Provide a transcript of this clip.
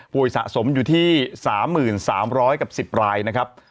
ป่วยสะสมอยู่ที่๓๐๐๐๐กับ๑๐รายนะครับ